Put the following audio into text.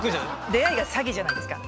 「出会い」が「詐欺」じゃないですか。